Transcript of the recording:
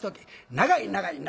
長い長い縄。